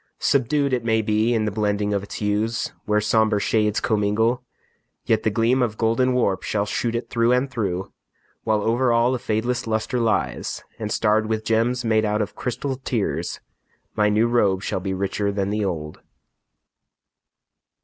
Subdued, It may be, in the blending of its hues, Where somber shades commingle, yet the gleam Of golden warp shall shoot it through and through, While over all a fadeless luster lies, And starred with gems made out of crystalled tears, My new robe shall be richer than the old.